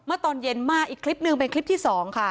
ตอนเย็นมาอีกคลิปหนึ่งเป็นคลิปที่๒ค่ะ